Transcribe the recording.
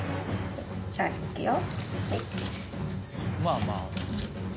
じゃあいくよ。